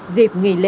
dịp nghỉ lễ